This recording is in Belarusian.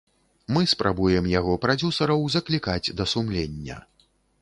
Мы спрабуем яго прадзюсараў заклікаць да сумлення.